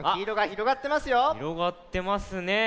ひろがってますね。